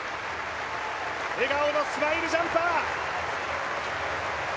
笑顔のスマイルジャンパー。